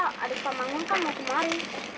padahal adik pak mangun kan mau kemari